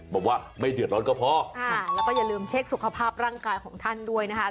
แล้วก็อย่าลืมเช็คสุขภาพร่างกายของท่านด้วยนะคะ